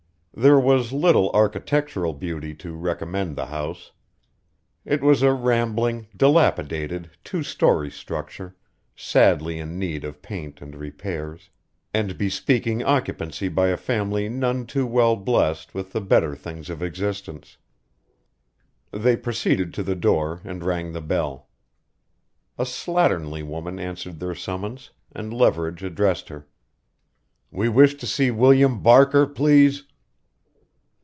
There was little architectural beauty to recommend the house. It was a rambling, dilapidated, two story structure, sadly in need of paint and repairs, and bespeaking occupancy by a family none too well blessed with the better things of existence. They proceeded to the door and rang the bell. A slatternly woman answered their summons, and Leverage addressed her: "We wish to see William Barker, please."